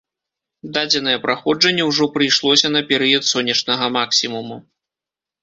Дадзенае праходжанне ўжо прыйшлося на перыяд сонечнага максімуму.